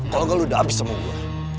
kalau engga lo udah abis sama gue